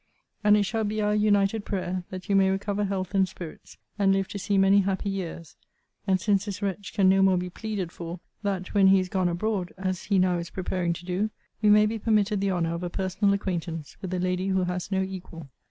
And it shall be our united prayer, that you may recover health and spirits, and live to see many happy years: and, since this wretch can no more be pleaded for, that, when he is gone abroad, as he now is preparing to do, we may be permitted the honour of a personal acquaintance with a lady who has no equal.